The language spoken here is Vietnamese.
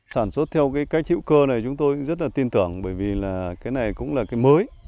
sản xuất theo cách hữu cơ này chúng tôi rất tin tưởng bởi vì cái này cũng là cái mới